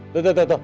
tuh tuh tuh